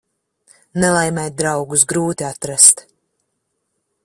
Nelaimē draugus grūti atrast.